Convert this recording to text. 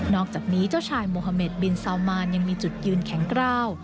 อกจากนี้เจ้าชายโมฮาเมดบินซาวมานยังมีจุดยืนแข็งกล้าว